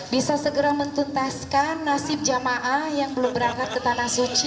bisa segera mentuntaskan nasib jamaah yang belum berangkat ke tanah suci